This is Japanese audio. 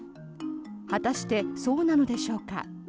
果たして、そうなのでしょうか。